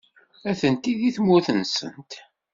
Atenti deg tmurt-nsent.